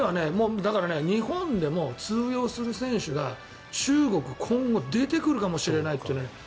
日本でも通用する選手が中国、今後出てくるかもしれないっていう。